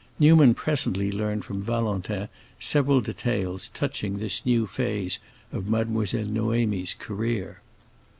Newman presently learned from Valentin several details touching this new phase of Mademoiselle Noémie's career.